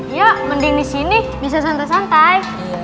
iya mending disini bisa santai santai